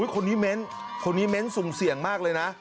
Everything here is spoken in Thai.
คนนี้เม้นคนนี้เม้นสุ่มเสี่ยงมากเลยนะ